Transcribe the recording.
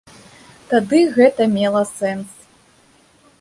Тады гэта мела сэнс.